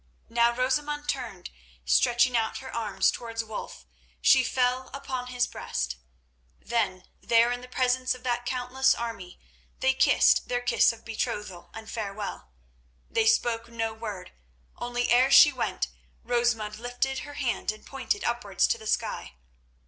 Now Rosamund turned; stretching out her arms towards Wulf, she fell upon his breast. There, then, in the presence of that countless army, they kissed their kiss of betrothal and farewell. They spoke no word, only ere she went Rosamund lifted her hand and pointed upwards to the sky.